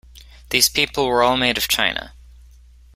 These people were all made of china.